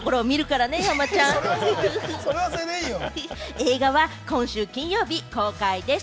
映画は今週金曜日公開です。